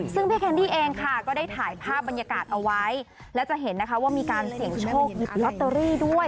ซึ่งพี่แคนดี้เองค่ะก็ได้ถ่ายภาพบรรยากาศเอาไว้และจะเห็นนะคะว่ามีการเสี่ยงโชคลอตเตอรี่ด้วย